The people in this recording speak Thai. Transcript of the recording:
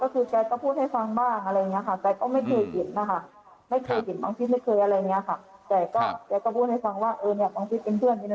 ก็คือแกก็พูดให้ฟังบ้างอะไรอย่างนี้ค่ะแกก็ไม่เคยเห็นนะคะไม่เคยเห็นบางฟิศ